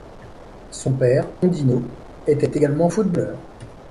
Son père, Ondino, était également footballeur.